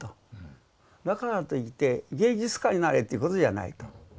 だからといって芸術家になれということじゃないと。